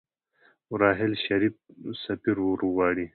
راحیل شريف سفير ورغواړي.